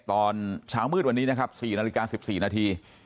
ตอนเช้ามืดวันนี้นะครับ๔นาฬิกา๑๔นาที